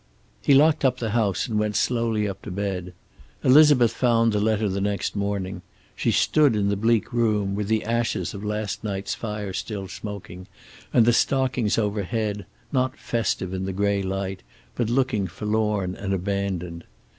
He locked up the house, and went slowly up to bed. Elizabeth found the letter the next morning. She stood in the bleak room, with the ashes of last night's fire still smoking, and the stockings overhead not festive in the gray light, but looking forlorn and abandoned.